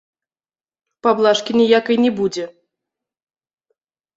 Паблажкі ніякай не будзе.